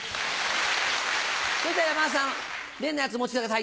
それじゃ山田さん例のやつ持ってきてください！